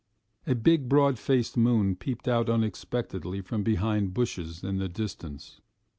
A big broad faced moon peeped out unexpectedly from behind bushes in the distance.